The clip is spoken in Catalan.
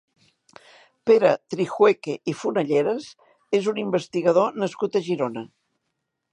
Pere Trijueque i Fonalleras és un investigador nascut a Girona.